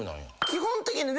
基本的に。